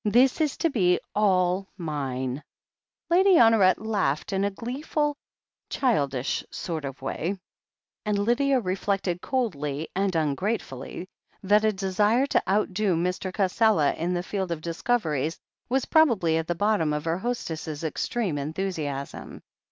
This is to be all mine!" Lady Honoret laughed in a gleeful, childish sort of way, and Lydia reflected coldly and ungratefully that a desire to outdo Mr. Cassela in the field of discoveries was probably at the bottom of her hostess's extreme enthusiasm.